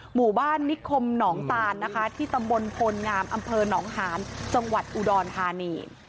หมู่บ้านนิคคมหนองตาลตะบงพลงามอำเภอหนองฮานจังหวัดอุดรธานี